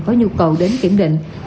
có nhu cầu đến kiểm định